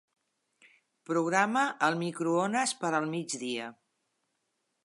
Programa el microones per al migdia.